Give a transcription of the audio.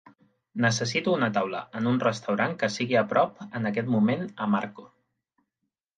necessito una taula en un restaurant que sigui a prop en aquest moment a Marco